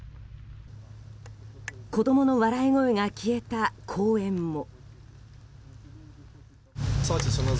子供の笑い声が消えた公園も。